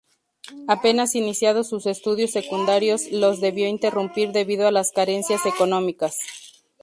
Apenas iniciados sus estudios secundarios los debió interrumpir debido a las carencias económicas.